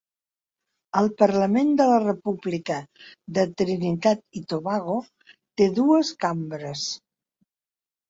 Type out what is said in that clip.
El Parlament de la República de Trinitat i Tobago té dues cambres.